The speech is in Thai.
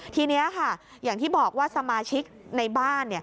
ทีนี้ค่ะอย่างที่บอกว่าสมาชิกในบ้าน